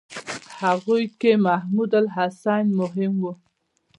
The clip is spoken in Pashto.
په هغوی کې محمودالحسن مهم و.